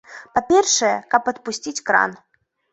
Па-першае, каб адпусціць кран.